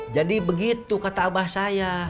begitu kata abah saya